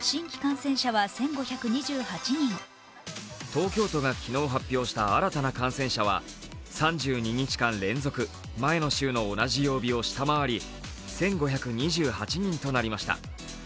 東京都が昨日発表した新たな感染者は３２日間連続、前の週の同じ曜日を下回り１５２８人となりました。